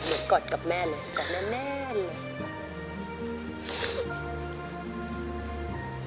เหมือนกอดกับแม่เลยกอดแน่เลย